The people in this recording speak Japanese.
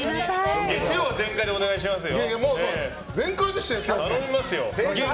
月曜は全開でお願いしますよ。